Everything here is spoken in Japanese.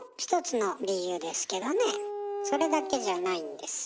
それだけじゃないんですよ。